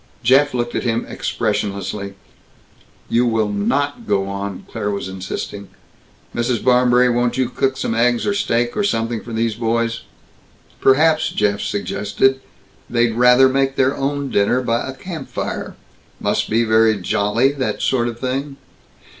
Jeff looked at him expressionlessly. "You will not go on!" Claire was insisting. "Mrs. Barmberry, won't you cook some eggs or steak or something for these boys?" "Perhaps," Jeff suggested, "they'd rather make their own dinner by a campfire. Must be very jolly, and that sort of thing."